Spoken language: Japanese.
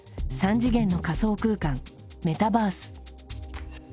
３次元の仮想空間メタバース。